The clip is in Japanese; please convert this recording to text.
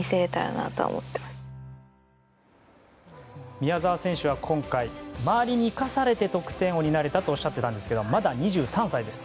宮澤選手は今回周りに生かされて得点王になれたとおっしゃっていたんですけどまだ２３歳です。